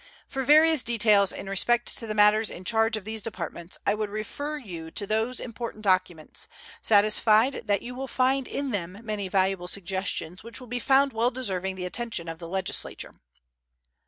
For various details in respect to the matters in charge of these Departments I would refer you to those important documents, satisfied that you will find in them many valuable suggestions which will be found well deserving the attention of the Legislature.